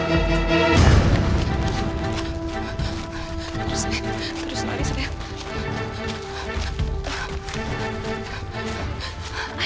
terus lari sayang